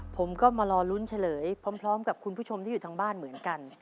ผมก็มารอลุ้นเฉลยพร้อมกับคุณผู้ชมที่อยู่ทางบ้านเหมือนกัน